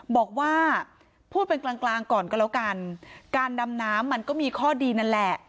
บอกว่าพูดเป็นกลางกลางก่อนก็แล้วกันการดำน้ำมันก็มีข้อดีนั่นแหละ